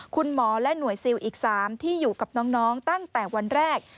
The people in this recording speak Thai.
คุณหมอและหน่วยซิลอีก๓ที่อยู่กับน้องตั้งแต่วันแรก